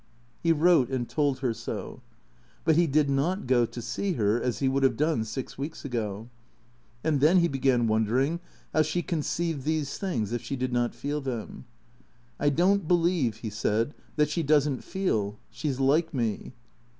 He wrote and told her so. But he did not go to see her, as he would have done six weeks ago. And then he began wondering how she conceived these things if she did not feel them. " I don't believe," he said, " that she does n't feel. She 's like me."